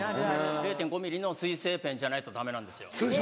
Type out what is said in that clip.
０．５ｍｍの水性ペンじゃないとダメなんですよ。